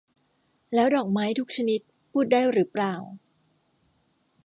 แล้วดอกไม้ทุกชนิดพูดได้หรือเปล่า ?